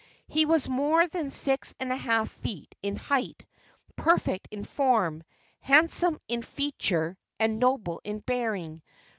He was more than six and a half feet in height, perfect in form, handsome in feature and noble in bearing.